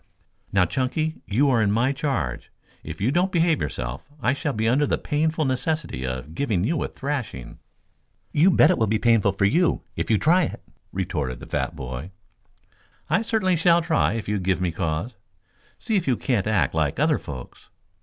"Now, Chunky, you are in my charge. If you don't behave yourself, I shall be under the painful necessity of giving you a thrashing." "You bet it will be painful for you if you try it," retorted the fat boy. "I certainly shall try it if you give me cause. See if you can't act like other folks."